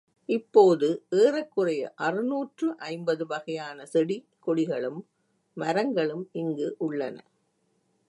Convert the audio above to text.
இப்போது ஏறக்குறைய அறுநூற்று ஐம்பது வகையான செடி கொடிகளும், மரங்களும் இங்கு உள்ளன.